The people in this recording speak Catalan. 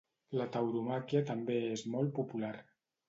La tauromàquia també és molt popular.